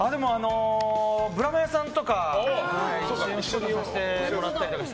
ブラマヨさんとか一緒に仕事させてもらったりして。